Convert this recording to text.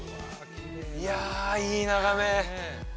いやいい眺め